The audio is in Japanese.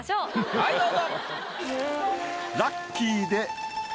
はいどうぞ。